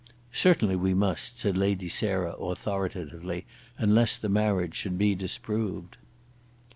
"Certainly we must," said Lady Sarah, authoritatively, "unless the marriage should be disproved."